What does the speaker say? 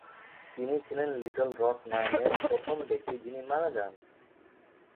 তিনি ছিলেন Little Rock নাইনের প্রথম ব্যক্তি যিনি মারা যান।